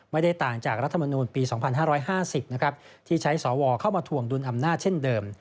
ไม่ได้ต่างจากรัฐมนูลปี๒๕๕๐นะครับที่ใช้สวเข้ามาถวงดุลอำนาจเช่นเดิม